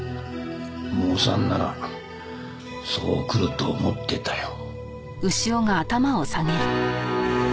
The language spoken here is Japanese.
モーさんならそう来ると思ってたよ。